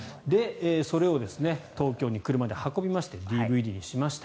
それを東京に車で運びましてＤＶＤにしました。